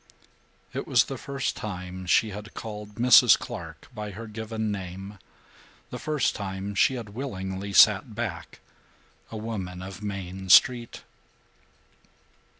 It was the first time she had called Mrs. Clark by her given name; the first time she had willingly sat back, a woman of Main Street.